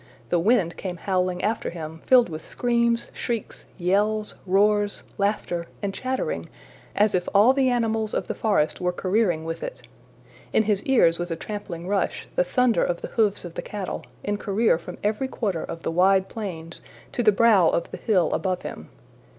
The wind came howling after him, filled with screams, shrieks, yells, roars, laughter, and chattering, as if all the animals of the forest were careering with it. In his ears was a trampling rush, the thunder of the hoofs of the cattle, in career from every quarter of the wide plains to the brow of the hill above him.